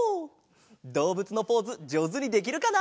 どうぶつのポーズじょうずにできるかな？